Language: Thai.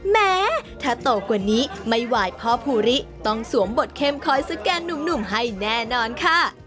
แม้ถ้าโตกว่านี้ไม่ไหวพ่อภูริต้องสวมบทเข้มคอยสแกนหนุ่มให้แน่นอนค่ะ